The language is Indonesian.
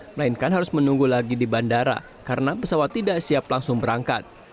melainkan harus menunggu lagi di bandara karena pesawat tidak siap langsung berangkat